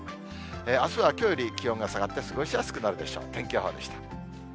あすはきょうより気温が下がって、過ごしやすくなるでしょう。